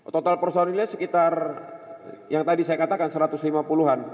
total personilnya sekitar yang tadi saya katakan satu ratus lima puluh an